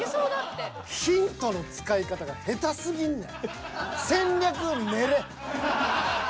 ヒントの使い方が下手すぎるねん。